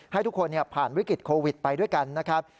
ให้ทุกคนผ่านวิกฤตโควิดไปด้วยกันนะครับ